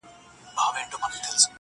چي یې ستا له زخمه درد و احساس راکړ,